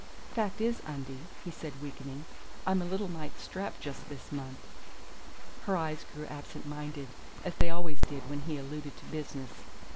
"Fact is, Undie," he said, weakening, "I'm a little mite strapped just this month." Her eyes grew absent minded, as they always did when he alluded to business.